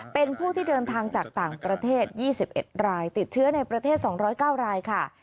เป็นผู้ที่เดินทางจากต่างประเทศ๒๑รายติดเชื้อในประเทศ๒๐๙รายค่ะ